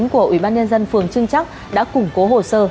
của ubnd phường trương chắc đã củng cố hồ sơ xử lý theo quy định